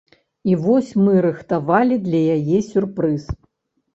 І вось мы рыхтавалі для яе сюрпрыз.